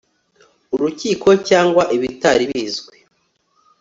urukiko cyangwa ibitari bizwi